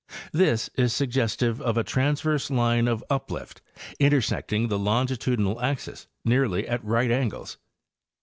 This is suggestive of a transverse line of uplift intersecting the longitudinal axes nearly at right angles.